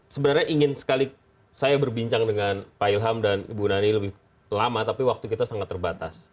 sebenarnya ingin sekali saya berbincang dengan pak ilham dan ibu nani lebih lama tapi waktu kita sangat terbatas